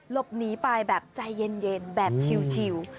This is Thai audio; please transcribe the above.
หลบหนีไปแบบใจเย็นแบบชิล